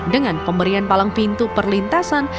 dengan pemberian palang pintu perlintasan